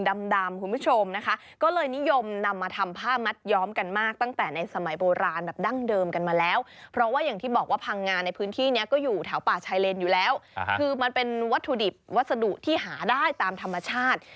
โดยเป็นวัตถุดิบวัสดุที่หาได้ตามธรรมชาติ